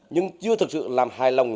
nhưng chưa thực sự làm hài lòng